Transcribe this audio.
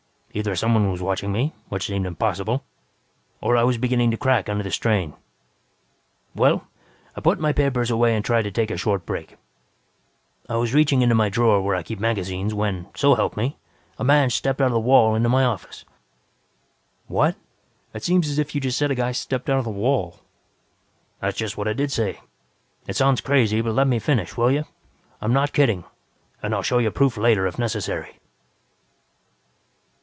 Either someone was watching me, which seemed impossible, or I was beginning to crack under the strain. "Well, I put my papers away and tried to take a short break. I was reaching into my drawer where I keep magazines when, so help me, a man stepped out of the wall into my office." "What? It seems as if you just said a guy stepped out of the wall." "That's just what I did say. It sounds crazy, but let me finish, will you? I'm not kidding, and I'll show you proof later if necessary.